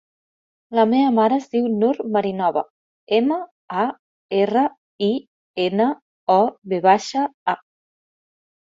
La meva mare es diu Nur Marinova: ema, a, erra, i, ena, o, ve baixa, a.